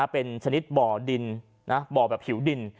เป็นชนิดบ่อดินบ่อแบบผิวดิน